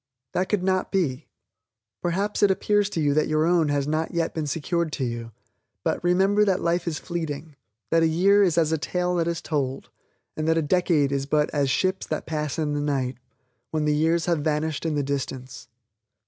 That could not be. Perhaps it appears to you that your own has not yet been secured to you, but, remember that life is fleeting that a year is as a tale that is told and that a decade is but as "Ships that pass in the night" when the years have vanished in the distance.